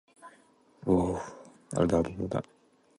The English version was translated by Andrew Cunningham.